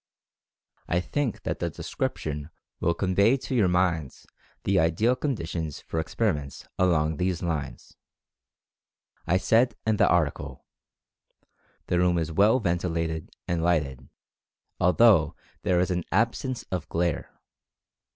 I think that the description will convey to your minds the ideal conditions for experiments along these lines. I said in the article : "The room is well ventilated and lighted, although there is an absence of glare.